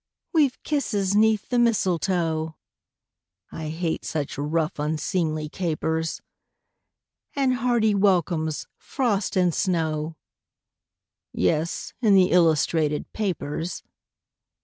_) We've kisses 'neath the mistletoe (I hate such rough, unseemly capers!) And hearty welcomes, frost and snow; (_Yes, in the illustrated papers.